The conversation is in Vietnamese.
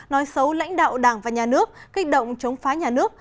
nói xấu lãnh đạo đảng và nhà nước kích động chống phá nhà nước